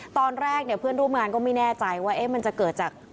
ตอนแรกเนี่ยเพื่อนร่วมงานก็ไม่แน่ใจว่ามันจะเกิดจาก